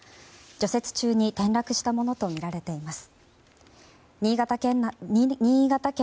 除雪中に転落したものとみられています。